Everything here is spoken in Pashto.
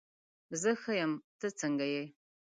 زه ښه یم، ته څنګه یې؟